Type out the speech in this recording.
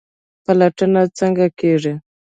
پلټنه څنګه کیږي؟